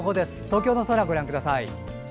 東京の空ご覧ください。